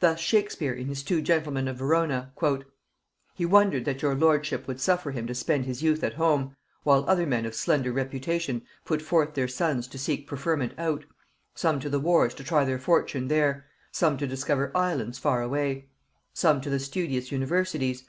Thus Shakespeare in his Two Gentlemen of Verona, ..."He wondered that your lordship Would suffer him to spend his youth at home, While other men of slender reputation Put forth their sons to seek preferment out: Some to the wars to try their fortune there; Some to discover islands far away; Some to the studious universities.